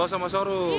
oh sama sorum